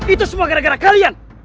itu semua gara gara kalian